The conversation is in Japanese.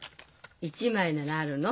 １枚ならあるの？